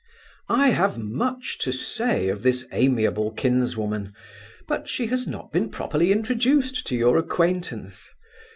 I have much to say of this amiable kinswoman; but she has not been properly introduced to your acquaintance.